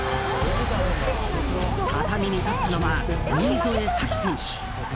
畳に立ったのは新添左季選手。